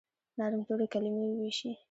نرم توري، کلیمې وویشي